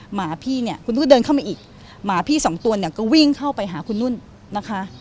หมาพี่เนี่ยคุณนุ่นเดินเข้ามาอีกหมาพี่สองตัวเนี่ยก็วิ่งเข้าไปหาคุณนุ่นนะคะ